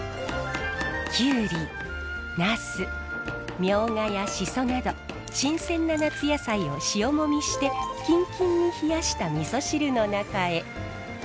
キュウリナスミョウガやシソなど新鮮な夏野菜を塩もみしてキンキンに冷やしたみそ汁の中へ。